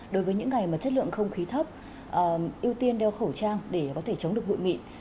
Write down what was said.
đối với những ngày mà chất lượng không khí thấp ưu tiên đeo khẩu trang để có thể chống được bụi mịn